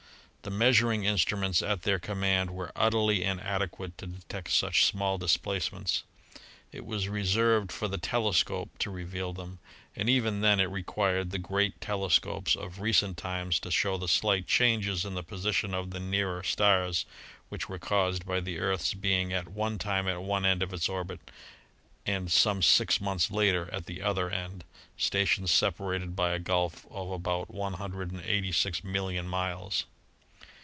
The measuring instruments at their command were utterly inadequate to detect such small displacements. It was reserved for the telescope to reveal them, and even then it required the great telescopes of recent times to show the slight changes in the position of the nearer stars which were caused by the Earth's being at one time at one end of its orbit and some six months later at the other end — stations separated by a gulf of about 186,000,000 miles.